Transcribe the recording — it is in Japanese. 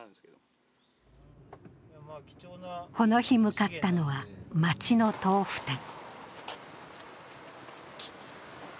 この日向かったのは、町の豆腐店。